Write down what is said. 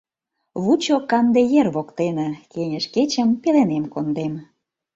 Вучо канде ер воктене — Кеҥеж кечым пеленем кондем.